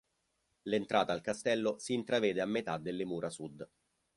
L'entrata al castello si intravede a metà delle mura Sud.